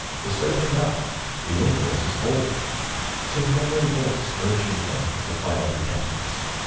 Disturb him not; the influence is holy—'tis memory's voice urging him to final repentance.